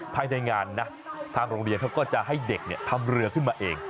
ภายในงานนะทางโรงเรียนเขาก็จะให้เด็กทำเรือขึ้นมาเอง